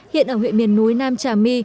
hiện ở huyện miền núi nam trà my